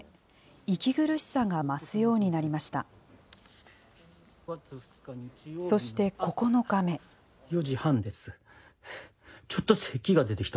息苦しさが増すようになりました。